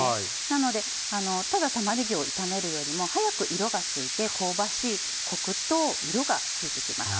なのでただ玉ねぎを炒めるよりも早く色がついて香ばしいコクと色がついて来ます。